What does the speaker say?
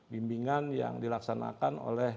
bimbingan yang dilaksanakan oleh